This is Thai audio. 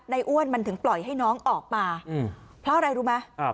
อ้วนมันถึงปล่อยให้น้องออกมาเพราะอะไรรู้ไหม